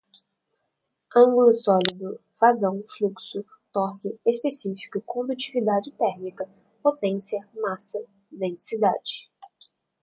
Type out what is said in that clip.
ângulo sólido, vazão, fluxo, torque, específico, condutividade térmica, potência, massa, densidade